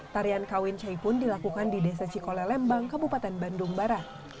tarian kawincai pun dilakukan di desa cikolilembang kabupaten bandung barat